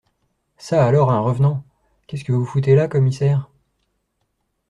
Ça alors, un revenant ! Qu’est-ce que vous foutez là, commissaire ?